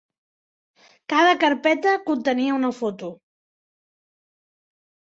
Cada carpeta contenia una foto.